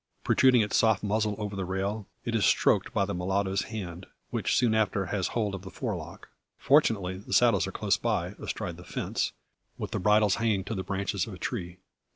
Protruding its soft muzzle over the rail, it is stroked by the mulatto's hand, which soon after has hold of the forelock. Fortunately the saddles are close by, astride the fence, with the bridles hanging to the branches of a tree.